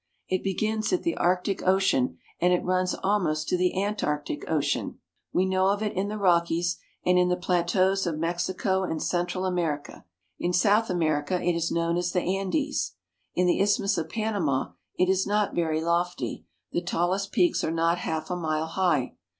It begins at the Arctic Ocean and it runs almost to the Antarctic Ocean. We know of it in the A Steamer in the Culebra Cut. Rockies, and in the plateaus of Mexico and Central America. In South America it is known as the Andes. In the Isthmus of Panama it is not very lofty ; the tallest peaks are not half a mile high.